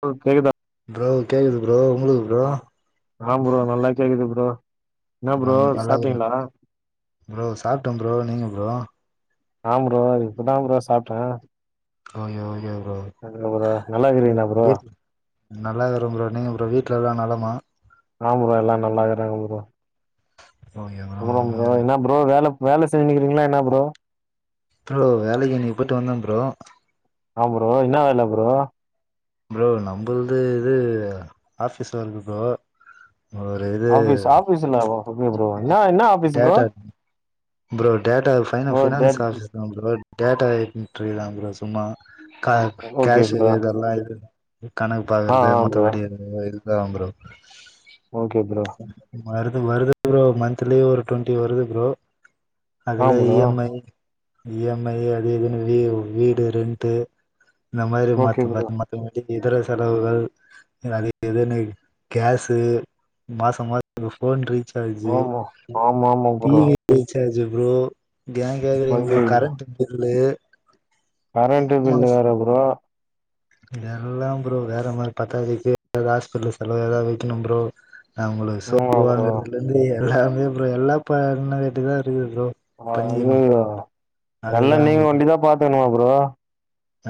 Bro கேக்குதா bro கேக்குது bro உங்களுக்கு ப்ரோ ஆ ப்ரோ நல்லா கேக்குது ப்ரோ என்ன ஆ ப்ரோ நல்லாருக்கிற சாப்ட்டீங்களா ப்ரோ ப்ரோ சாப்ட்ட ப்ரோ நீங்க ப்ரோ ஆம் ப்ரோ இப்பதா ப்ரோ சாப்ட்ட ஓகே ஓகே ப்ரோ சொல்லுங்க ப்ரோ நல்லா இருக்கிறிங்களா ப்ரோ நல்லா இருக்குற ப்ரோ நீங்க ப்ரோ வீட்டல எல்லா நலமா ஆ ப்ரோ எல்லா நல்லா இருக்குறாங்க ப்ரோ ஓயோ அப்பற ப்ரோ என்ன ப்ரோ வேல வேல செஞ்சுன்னு இருக்கிறீங்களா என்ன ப்ரோ ப்ரோ வேலைக்கு இன்னிக்கு போய்டு வந்த ப்ரோ ஆ ப்ரோ என்னா வேல ப்ரோ ப்ரோ நம்மள்து இது ஆஃபீஸ் ஒர்க் ப்ரோ ஒரு இது ஆஃபீஸ் ஆபீஸ்ல எப்டி ப்ரோ என்ன என்ன office bro data bro data finance ஓ ஃப்பினான்ஸ் டேட் ஆஃபீஸ் தா ப்ரோ டேட்டா என்டரி தா ப்ரோ சும்மா கா ஓகே ப்ரோ கஷியர் இதெல்லா இது கணக்கு ஆ பாக்றது ஆ ப்ரோ மத்தபடி ஓ இதுதா ப்ரோ ஓகே ப்ரோ வருது வருது ப்ரோ மந்த்த்லி ஒரு டுவெண்ட்டி வருது ப்ரோ ஆ அதுல E bro M I E M I அது இதுன்னு வீடு ரெண்டு இந்த மாரி ஓகே மத்த [unintelligible] ப்ரோ இந்த மாதிரி இதர செலவுகள் அது இதுன்னு கேஸு மாச மா [unintelligible] போன் ரீசார்ஜு ஆமா ஆமா ஆமா ப்ரோ டிவி ரீசார்ஜு ப்ரோ அத எய கேக்குறீங்க ப்ரோ ஐயையோ கரண்ட் பில்லு கரண்ட் பில்லு வேற ப்ரோ எல்லா ப்ரோ வேற மாரி பத்தாதுக்கு ஏதாவது ஹாஸ்பிட்டல் செலவு ஏதாவது வைக்கணு ப்ரோ நா அவங்களுக்கு ஆமா சோப்பு ப்ரோ வாங்குறதுல இருந்து எல்லாமே ப்ரோ எல்லா பண்ண கட்டுதா இருக்கு ப்ரோ பண்ணிக்கணு அய்யய்யோ எல்ல அதுதா ப்ரோ நீங்க ஓண்டிதா பாத்துக்கணுமா ப்ரோ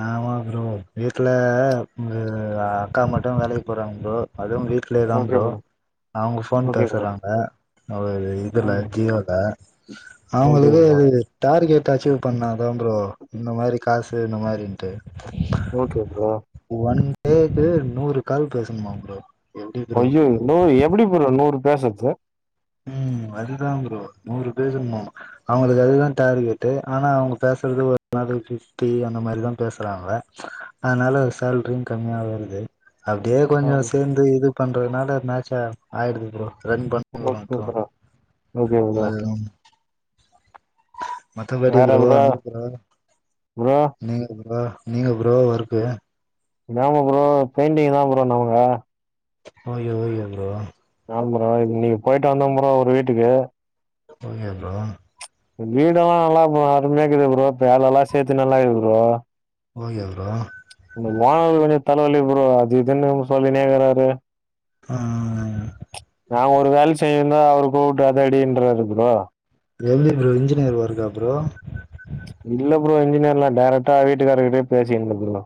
ஆமா ப்ரோ வீட்டுல அக்கா மட்டு வேலைக்கு போடுறாங்க ப்ரோ அதுவு வீட் ட்லே தான் ப்ரோ அவங்க ஃபோன் ஓகே ப்ரோ பேசுறாங்க ஒரு இதுல ம் ஜியோல ஓகே அவங்களுக்கு ப்ரோ டார்கெட் அச்சீவ் பண்ணாதா ப்ரோ இந்த மாறிகாசு இந்த மாறின்டு ஓகே ப்ரோ ஒன் டேக்கு நூறு கால் பேசணுமாம் ப்ரோ எப்டி ப்ரோ ஐய்யோ என்னமோ எப்டி ப்ரோ நூறு பேசுறது ம் அதுதான் ப்ரோ நூறு பேசணுமா அவங்களுக்கு அதுதா டார்கெட்டு ஆனா அவங்க பேசுறது ஒரு நாளுக்கு பிப்டி அந்த மாறிதா பேசுறாங்க அதனால சேல்ரியும் கம்மியா வருது அப்டியே ஆ கொஞ்சசோ சேந்து இது பண்றதுனால மேச்சா ஆயிடுது ப்ரோ ரன் பண்ண ஓகே பன்றோம் ப்ரோ ஓகே ப்ரோ அது மத்தபடி ப்ரோ அங்க ப்ரோ ப்ரோ நீங்க ப்ரோ நீங்க ப்ரோ ஒர்க்கு நாமோ ப்ரோ பெயிண்டிங் தான் ப்ரோ நமக்கு ஓகே ஓகே ப்ரோ நா ப்ரோ நீங்க போயிட்டு வந்தன் ப்ரோ ஒரு வீட்டுக்கு போனியா ப்ரோ வீடெல்லா நல்லா அருமையாகிது ப்ரோ வேலைலா சேத்து நல்லா இருக்குது ப்ரோ ஓகே ப்ரோ இந்த ஒனாரு கொஞ்சோ தலைவலி ப்ரோ அது இதுன்னு சொல்லினேயிருக்கிறாரு ஆ நா ஒரு வேல செஞ்சுனுயிருந்தா அவரு கூப்டு அத அடின்றாரு ப்ரோ எப்டி ப்ரோ இன்ஜினியர் ஒர்க்கா ப்ரோ இல்ல ப்ரோ இன்ஜினியர்லா டேரெக்டா வீட்டுக்காரர்கிட்டே பேசி [unintelligible] ப்ரோ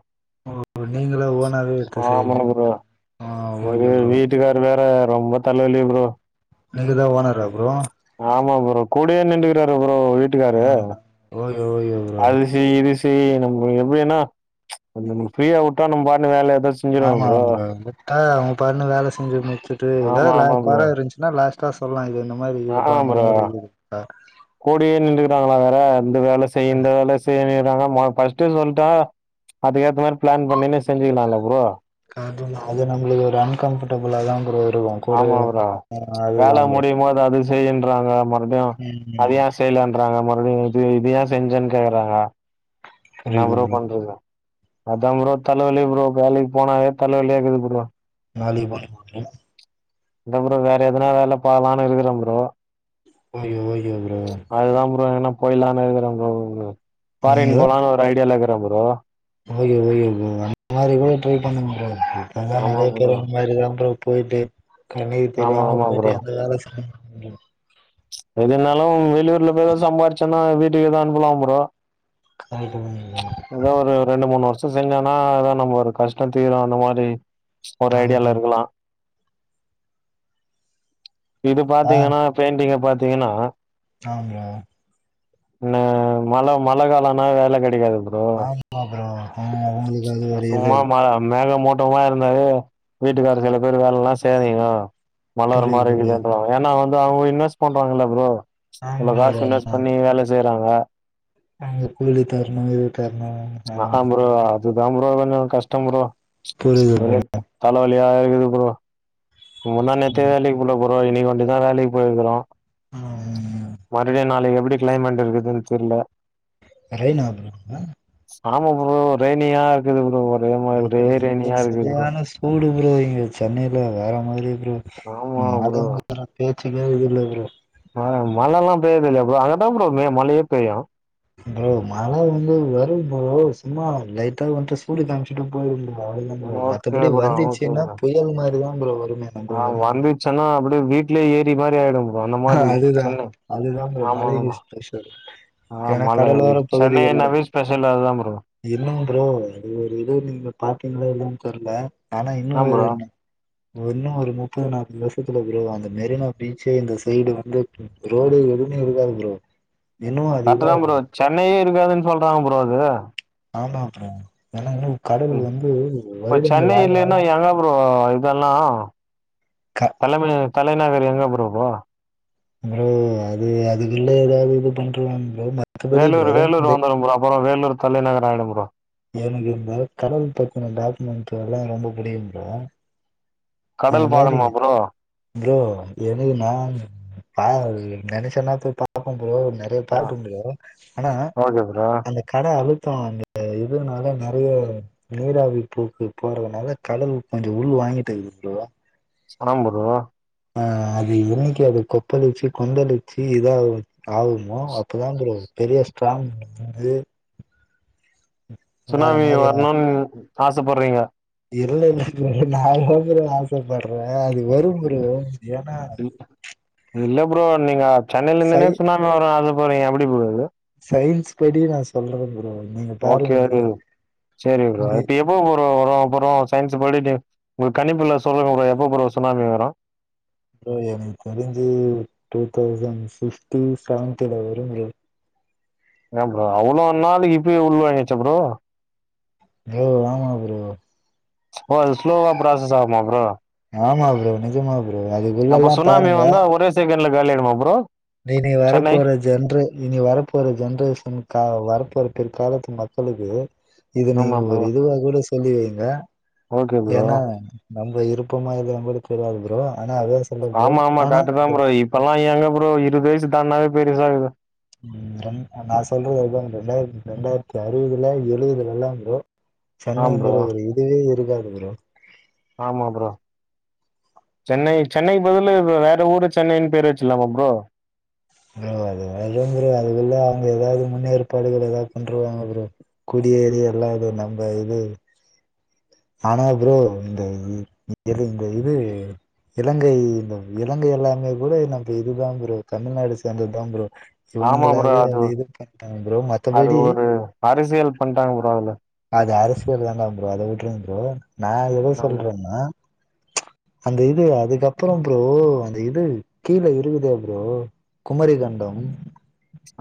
ஓ நீங்கள ஓனாவே எடுத்து ஆமா செய்யற ஆ ஓகே ப்ரோ இது வேற ரொம்ப தலவலி ப்ரோ நீங்கத ஓனரா ப்ரோ ஆமா ப்ரோ கூடே நின்டுகிறாரு ப்ரோ விட் ஆ ஓகே ஓகே ப்ரோ அது செய் இது செய் நம்ம எப்டினா ந நம்ம ஃப்ரீயா விட்டா நம்ம பாட்னு வேல ஏதாச்சு ஆமா ப்ரோ கா அவங்க பாட்டுண்ணு வேல செஞ்சு முடிச்சுட்டு ஆமா ஏதாவது வேல ஆமா குறை இருந்துச்சுன்னா லாஸ்ட் ட்டா சொல்லா இது இந்த மாறி ஆ ஆ ப்ரோ கூடியே நின்டுக்கிறாங்களா வேற இந்த வேல செய் இந்த வேல செ ரிறாங்க ஃபர்ஸ்ட்டு சொல்டா அதுக்கேத்த மாறி பிளான் பண்ணிணு செஞ்சுக்கலாம்ல ப்ரோ அது அது நம்மளுக்கு ஒரு அன்கம்டபுளாகத ப்ரோ இருக் ஆமா ப்ரோ வேல ப்ரோ முடியும்மோது அது செய்யின்றாங்க மறுபடியு ம் அத ம் ஏ செய்யல றாங்க மறுடிய இத எ செஞ்சன்னு கேக்குறாங்க இன்னா ப்ரோ பண்றது அதா ப்ரோ தலவலி ப்ரோ வேலைக்கு போனாவே தலவலியா இருக்குது ப்ரோ வேலைக்கு போனமாமே இல்ல ப்ரோ வேற எதனா வேலை பாக்கலானு இருக்குறேன் ப்ரோ ஓகே ஓகே ப்ரோ அதுதா ப்ரோ எங்னா போயிலான் இருக்கற ப்ரோ நீங்க பாரின் போலான் ஒரு ஐடியாலாகிற ப்ரோ ஓகே ஓகே ப்ரோ அந்த மாரி கூட ட்ரை பண்னுங் ப்ரோ அதுதா ஆமா நறைய பேர் ப்ரோ அங் இருக்குறாங் ப்ரோ போயிட்டு கண்னுக்கு ஆமா தெரியாம ஆமா போயிட்டு ப்ரோ எந்த வேலை செய் எதுனாலு வெளியூர்ல போய் சம்பாரிச்சன்னா வீட்டுக்கு எதுனா அனுப்பலா ப்ரோ அதுதா ஏதோ ஒரு ரெண்டு மூணு வருசோ இப்ப செஞ்சானா அதா நம் ஒரு கஷ்ட தீரு அந்த மாரி ஒரு ஐடியால இருக்கலா இது ஆ பாத்தீங்கனா பெயிண்டிங்க பாத்தீங்கனா ஆ ப்ரோ ன மழ மழ காலன்னா வேல கடைக்காது ப்ரோ ஆமா ப்ரோ ம் உ சும்மா மா மேக மூட் டுமா இருந்தாவே வீட்டுக்காரு சில பேர் வேல எல்லா செய்யாதீங்கோ மழ வர புரியுது மாரி புரியுது கீதுன்றாகோ ஏனா வந்து அவுங்க இன்வெஸ்ட் பண்றாங்கல்ல ப்ரோ ஆமா இவ்ளோ காஸ் ப்ரோ இன்வெஸ் பண்ணி வேல செய்றாங்க அங்க கூலி தரணு இது தரணு ஆமா ஆஹ ப்ரோ அது தா ப்ரோ கஷ்ட ப்ரோ புரியுது ப்ரோ தலைவலியா இருக்குது ப்ரோ முந்தா நேத்தே வேலைக்கு போல ப்ரோ இன்னக்கி ஓண்டி தா வேலைக் போயிகிறோ ம் ம்ம் மறுபடியு நாளைக்கி எப்டி கிளைமேட் இருக்குதுன் தெர்ல [unintelligible] ஆமா ப்ரோ ரெயிணியா இருக்குது ப்ரோ ஒரே ரெயிணியா இருக்குது ப்ரோ மூடு ப்ரோ இங்க சென்னையில வேற மாரி ப்ரோ ஆ இங் மழங்கர பேச்சிகே வழி இல்ல ப்ரோ மழமழலா பெய்யிது இல்ல ப்ரோ அங்கதா ப்ரோ மழையே பேயு ப்ரோ மழ வந்து வரும் ப்ரோ சும்மா லைட்டா வந்துட்டு சூடு காமிச் வண்டுபோயிடு ப்ரோ அவ்ளாதா ப்ரோ ஓகே மத்தபடி ப்ரோ ஓகே வந்துச்சினா ப்ரோ புயல் மாரிதா வருமே ஆ நம்பளுக்கு வந்துச்சினா அப்டியே வீட்லயே ஏறி மாரி ஆயிடும் ஒன்ன ஆ மாரிக் அதுதா சென்னை அதுதா ப்ரோ ஆமா மலை ஆமா ஸ்பெஷல் ஆ ஏன்னா மழை கடலோர சென்னை நாவே ஸ்பெஷல் அதா ப்ரோ இல்லங் ப்ரோ இது ஒரு இது நீங்க பாத்தீங்களா இல்லயான் தெர்ல ஆனா இன்னு ஆ ஒரு ப்ரோ இன்னு ஒரு முப்பது நாற்பது வருஷத்துல ப்ரோ அந்த மெரினா பீச்சே இந்த சைடு வந்து ரோடு எதுவுமே இருக்காது ப்ரோ இன்னு அது கரெக்ட்டு தா இதாகு ப்ரோ சென்னையே இருக்காதுன் சொல்றாங்க ப்ரோ அது ஆமா ப்ரோ ஏனா இங்க ம் இப்ப சென்னை ஆக இல்லைனா என்னா ப்ரோ இதெல்லா க தலைமை தலைநகர் எங்க ப்ரோ இப்போ ப்ரோ அது அதுக்குல்ல ஏதாவது இது பண்ருவாங் ப்ரோ மத்தபடி வேலூர் ப்ரோ வேலூர் இந்த வந்துரு ப்ரோ அப்புற வேலூர் தலைநகர் ஆயிடு ப்ரோ எனக்கு இந்த கடல் பத்தின டாக்குமெண்ட்டு எல்லா ரொம்ப புடிக்கு ப்ரோ கடல் அந்த மாரி பாக்கணுமா ப்ரோ ப்ரோ எனக்கு நா பா நெனச்ச நெரத்துக்கு பாப்ப ப்ரோ போய் பாக்ட்டும் ப்ரோ ஆனா ஓகே ப்ரோ அந்த கட அழுத்தோ அங்க இதுனால நெறைய நீராவி பூக்கு போறதனால களவு கொஞ்சோ உள் வாங்கிட்டு இருக்குது ப்ரோ ஆமா ப்ரோ ஆ அது என்னைக்கு அத கொப்பளிச்சு கொந்தளிச்சு இதாவ்து ஆகுமோ அப்பதா ப்ரோ பெரிய ஸ்ட்ராங்கு வந்து வேற சுனாமி மாரி வரணுன் ஆசப்பட்றீங்க இல்ல இல்ல ப்ரோ நா ஏ ப்ரோ ஆசப்பட்றே அது வரும் ப்ரோ ஏனா இல்ல ப்ரோ நீங்க சென்னையில சை இருந்துனே சுனாமி வரு ஆசப்படுறீங்க எப்டி ப்ரோ அது சயின்ஸ் படி நா சொல்ற ப்ரோ நீங்க ஓகே பாருங்க ரோ நீங்க செரி ப்ரோ நீ அதியு எப்ப ப்ரோ வரு ப்ரோ சயின்ஸ் படிடு உங்க கணிப்புல சொல்லுங்க ப்ரோ எப்ப ப்ரோ சுனாமி வரு ப்ரோ எனக் தெரிஞ்சு டூ தௌசண்ட் சிக்ஸ்டி செவன்டில வரு ஏ ப்ரோ அவ்ளோ நாளிக்கி இப்பயே உள் வாங்கிட்ச்சா ப்ரோ ப்ரோ ஆமா ப்ரோ ஓ அது ஸ்லோவா பிராசஸ் ஆகுமா ப்ரோ ஆமா ஃப்ரோ நிஜமா ஃப்ரோ அப்ப அதுக்குள்ளலா சுனாமி பாருங்க வந்தா ஒரே செகண்ட்ல காலியாய்டுமா ஃப்ரோ டே இன்னிக் வர போறது ஜென்ரே இனி வரப்போற ஜென்ரேஷன்கா வரப்போற பிற்காலத்து மக்களுக்கு இது நீங்க ஆமா ஒரு ப்ரோ இதுவா கூட சொல்லி வைங்க ஓகே ப்ரோ ஏனா நம்ம இருப்பமா இல்லியான் கூட தெரியாது ஃப்ரோ ஆனா அத வெச் ஆமா ஆமா கரட்டு தா ஃப்ரோ இப்பலா எங்க ஃப்ரோ இருவ்துயசு தான்ட்னாவே பெருசாகுது ம் ரெ நா சொல்றது ரெண்டாயிர ரெண்டாயிரத்தி அறுவதுல எழுபதுலலா வரு ஆ சென்னைங்கிற ப்ரோ ஒரு இதுவே இருக்காது ஃப்ரோ ஆமா ஃப்ரோ சென்னை சென்னை பதிலு வேற ஊரு சென்னைன்னு பேர் வச்சர்லாமா ஃப்ரோ ஃப்ரோ அது வந்து ஃப்ரோ அதுக்குள்ள அவுங்க ஏதாவது முன்னேற்பாடுகள் ஏதாவ்து பண்றுவாங்க ஃப்ரோ குடியேறி எல்லா இது நம்ப இது ஆனா ஃப்ரோ இந்த இதுங் ப்ரோ இது இலங்கை இந் இலங்கை எல்லாமே கூட நம்ம இதுதா ஃப்ரோ தமிழ்நாடு சேந்தத்தா ஃப்ரோ ஆமா ப்ரோ இவுங்களாவே அது இது பண்ட்டாங் ஃப்ரோ அது மத்தபடி ஒரு அரசியல் பண்ட்டாங்க ப்ரோ அதுல அது அரசியல் வேண்டா ஃப்ரோ அத வுட்றுங் ஃப்ரோ நா எத ஆமா சொல்றன்னா அந்த இது அதுக்கப்பற ஃப்ரோ அந்த இது கீழ இருக்குதா ஃப்ரோ குமரிகண்டம்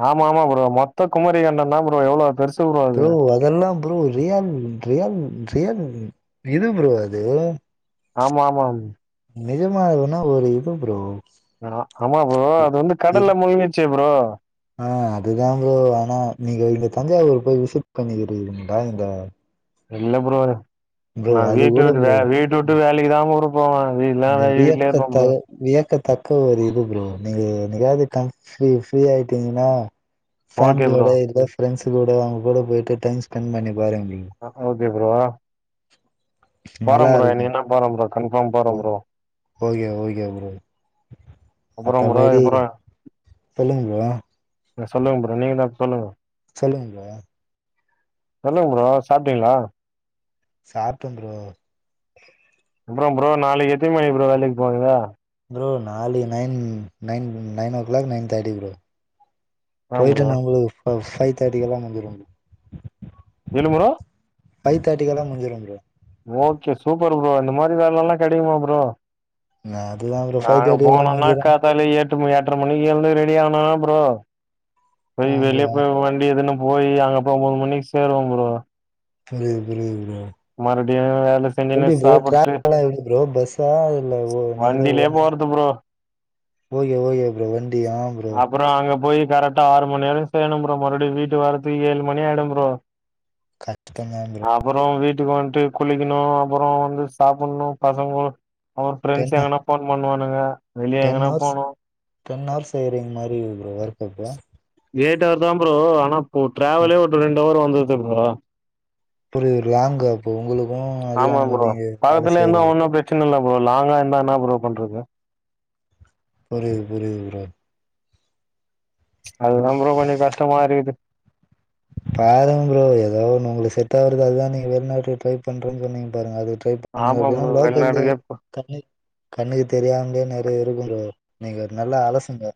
ஆமா ஆமா ஃப்ரோ மொத்த குமாரிகண்டந்தா ஃப்ரோ எவ்ளோ பெருச் ஃப்ரோ அதெல்லா ப்ரோ ரியல் ரியல் ரியல் இது ஃப்ரோ அது ஆமாமா நிஜமா அதுனா ஒரு இது ஃப்ரோ ஆமா ஃப்ரோ அது வந்து கடல்ல முழ்ங்கிச்சே ஃப்ரோ ஆ அதுதா ஃப்ரோ ஆனா நீங்க இந்த தஞ்சாவூர் போய் விசிட் பண்ணிக்கிறிங்ளா இந்த இல்ல ஃப்ரோ ப்ரோ நா அது கூட வீட்டவிட் வே ப்ரோ வீட்டவுட்டு வேலைக் தா ப்ரோ போவ அது இந்த இல்லாதய் வீட்லே இர்ப்ப வியக்கத்த ப்ரோ வியக்கத்தக்க ஒரு இது ஃப்ரோ நீங்க என்னிகாது க ஃப்ரீ ஃப்ரீ ஆயிட்டீங்ன்னா ஓகே ப்ரோ ஃபேமிலியோட இல்ல ஃரெண்ட்ஸ் கூட அவுங்க கூட போயிட்டு டைம் ஸ்பெண்ட் பண்ணி பாருங் ப்ரோ ஓகே ஓகே ஃப்ரோ போறே நல்லா ஃப்ரோ இருக்கு என்னிக்கினா நா போறே ஃப்ரோ ஓ ஓகே ஓகே ஃப்ரோ அப்புறம் மத்த ப்ரோ படி அப்புறம் சொல்லுங்க மேடோ சொல்லுங்க ஃபரோ நீங்க எதாச்சு சொல்லுங்க சொல்லுங்க ஃப்ரோ சொல்லுங்க ஃப்ரோ சாப்ட்டீங்ளா சாப்டே ஃப்ரோ அப்றோ ஃப்ரோ நாளைக்கு எத்தினி மணிக்கு ஃப்ரோ வேலைக்கு போவீங்க ஃப்ரோ நாளை nine nine nine o'clock nine thirty bro ஆ போயிட்டு ப்ரோ நா உங்களுக்கு ஃபை ஃபைவ் தேர்ட்டிக்குலா வந்துருவ எழுமுரா ஃபைவ் தேட்டிக்கெல்லா முடிஞ்சுறு ஃப்ரோ ஓகே சூப்பர் ஃப்ரோ இந்த மாரி வேலலா கெடைக்குமா ஃப்ரோ அதுதா ப்ரோ ஃபைவ் நாங்க தேர்ட்டிக்கெல்லா போனோம்னா முடிஞ்சிரு காத்தால எட் எட்டு மணி எட்டரை மணிக்கு எழுந்து ரெடி ஆனா ஃப்ரோ போய் ஆ ப்ரோ வெளியே போய் வண்டி எதுன்னு போயி அங்கப்போய் ஒன்பது மணிக்கு சேருவ ஃப்ரோ புரியுது புரியுது ஃப்ரோ மறுபடியு வேல செஞ்சுன்னு எப்டி ஃப்ரோ சாப்புட்டு ட்டாவல்லா எப்டி ப்ரோ பஸ்சா இல்ல ஓ நீங்களா வண்டிலயே ஓனா போறது ப்ரோ ஓகே ஓகே அப்றோ வண்டியா அப்றோ அங்க போய் கரெக்டா ஆறு மணி வரையு செய்ணு ப்றோ மறுபடியு வீட்டுக்கு வரத்துக்கு ஏழு மணி ஆயிடு ஃப்ரோ கட்த் கண்ணாலே அப்றோ வீட்டுக்கு வந்துட்டு குளிக்குணு அப்றோ வந்து சாப்புன்ணு பசங்க அவர் டென் ஃரெண்ட்ஸ் எங்கன்னா ஃபோன் பண்ணுவானுங்க வெளிய டென் எங்கன்னா ஹவர்ஸ் போனு டென் ஹவர்ஸ் செய்ரிங் மாரி ஒர்க் அப்போ ஏட்டவர் தா ஃப்ரோ ஆனா இப்ப ட்ராவலே ஒரு ரெண்டு ஹவர் வந்தருது ஃப்ரோ புரியுது லாங்கு அப்ப உங்களுக்கு அது அங்கு நீங்க வேல செய்றது சின்ன இல்ல ஃப்ரோ லாங்கா இருந்தா என்னா ஃப்ரோ பண்றது புரிது புரிது ஃப்ரோ அதுதா ஃப்ரோ கொஞ்சோ கஷ்டமா இருக்குது பாருங் ஃப்ரோ எதோ ஒன்னு உங்களுக்கு செட் ஆகுறது அதுதா நீங்க வெளிநாட்டுல ட்ரை பண்றன்னு சொன்னீங்க பாருங்க அது ட்ரை பண்ணுங்க ஆமா அப்டின்னா ப்ரோ லோக்கல்லியே வெளிநாட்டுக்கே போ. கண்ணுக் கண்ணுக்கு தெரியாமலே நெறைய இருக்கு ஃப்ரோ நீங்க நல்லா அலசுங்க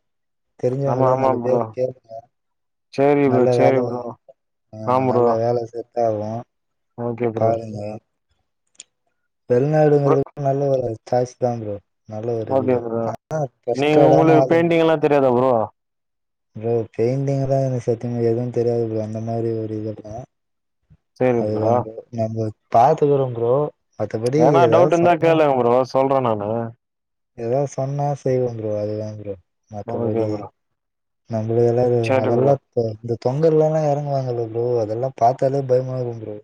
ஆமா தெரிஞ்சவங்கள ஆமா நாலு ப்ரோ பேர் கேளுங்க சேரி ப்ரோ நல்ல வேல சேரி ப்ரோ ஆ நல்ல வேல செட்டாகு ஓகே ஃப்ரோ ப்ரோ வெளிநாடுங்கிறது நல்ல ஒரு சாய்ஸ்தா ஃப்ரோ நல்ல ஒரு ஓகே இதுதா ப்ரோ ஆனா நீங்க ப்ரஸ்டாடன உங்களுக்கு ஆளுங்க பெயிண்டிங் எல்லா தெரியதா ஃப்ரோ ஃப்ரோ பெயிண்டிங்லா சத்தியமா எதுவு தெரியாது ஃப்ரோ இ அந்த மாரி ஒரு இதெல்லா சேரி அதுதா ப்ரோ ஃப்ரோ நம்ம பாத்துக்குறோ ஃப்ரோ எதனா டவுட் இருந்தா கேளுங்க ஃப்ரோ சொல்ற நானு எதாவுது சொன்னா செய்வோ ஃப்ரோ அதுதா ஃப்ரோ ஓகே மற்றபடி ப்ரோ நம்மளுதுல்லா ஓ சரி ப்ரோ அதெல்லா இப்ப இந்த தொங்கல்லலா எறங்குவாங்களல்ல ஃப்ரோ அதெல்லா பாத்தாலே பயம்மா இருக்கு ஃப்ரோ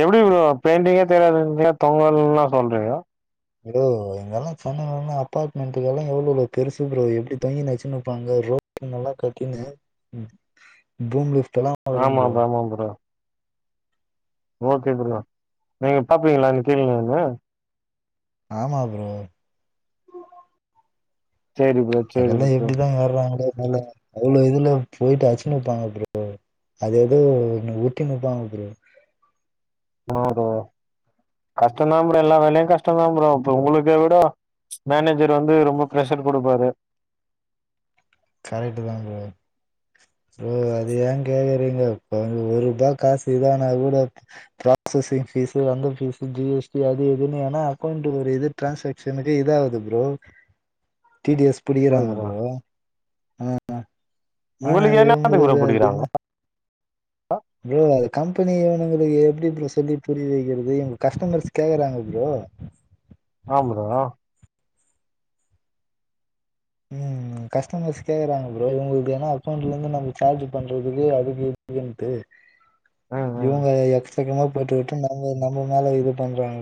எப்டி ப்ரோ பெயிண்டிங்கே தெரியாதுன்னீங்க தொங்கல்லா சொல்றீங்க ப்ரோ எங்கெல்லா சென்னையிலலா அபார்ட்மெண்ட்டு எல்லா எவ்ளோலோ பெருசு ஃப்ரோ எப்டி தொங்கினு அச்சுனு இருப்பாங்க ஃப்ரோ ரோ துண் எல்லா கட்டினு பூம் லிப்ட் எல்லா ஆமா ப்ரோ ஆமா ப்ரோ ஓகே ப்ரோ நீங்க பாப்பீங்களா அங்க கீழ நின்னு ஆமா ப்ரோ சேரி ப்ரோ சேரி அதெல்லா ப்ரோ எப்டிதா ஏறாங்கலோ மேல அவ்ளோ இதுல போயிட்டு அச்சினு இருப்பாங்க ப்ரோ அது எதோ ஒன்னு உருட்டினு இருப்பாங்க ப்ரோ ஆமா ப்ரோ கஷ்டம் தான் ப்ரோ எல்லா வேலையும் கஷ்டம் தா ப்ரோ இப்ப உங்களுக்கே விட மேனேஜர் வந்து ரொம்ப பிரஷர் குடுப்பாரு கரெட்டுதா ப்ரோ ப்ரோ அது ஏன் கேக்கறீங்க இப்ப வந்து ஒரூபா காசு இது ஆனா கூட ப்ராசஸிங் பீஸ்ஸு அந்த பீஸ்ஸு ஜி எஸ் டி அது இதுன்னு ஆனா அக்கவுண்ட்ல் ஒரு இது ட்ரான்சாக்க்ஷனுக்கு இது ஆவுது ப்ரோ டி டி எஸ் புடிக்கிறாங்க ப்ரோ ஆ ஆனா உங்களுக்கு என்னத்துக்கு ப்ரோ இவங்களுக்கு அது புடிக்கிறாங்க என்ன ப்ரோ அது கம்பெனி இவனுங்களுக்கு எப்டி ப்ரோ சொல்லி புரிற வைக்கிறது எங்க கஸ்டமர்ஸ் கேக்கறாங்க ப்ரோ ஆ ப்ரோ ம் கஸ்டமர்ஸ் கேக்கறாங்க ப்ரோ இவுங்களுக்கு ஏன்னா அக்கௌண்ட்லருந்து நம்ம சார்ஜி பண்றதுக்கு அதுக்கு இதுக்குன்ட்டு ம் ம் இவங்க எக்கசக்கமா போயிட்டு வரட்டும் நம்ப நம்ப மேல இது பண்றாங்க